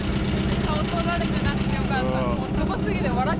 顔撮られてなくてよかった。